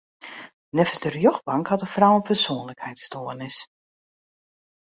Neffens de rjochtbank hat de frou in persoanlikheidsstoarnis.